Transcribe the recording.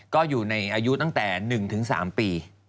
ก็อยู่ในอายุตั้งแต่๑๓ปี